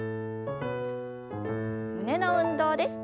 胸の運動です。